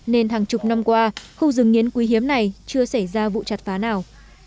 nên hàng chục năm qua khu rừng nghiến quý hiếm này chưa xảy ra vụ chặt phá nào